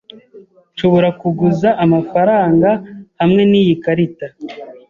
Nshobora kuguza amafaranga hamwe niyi karita?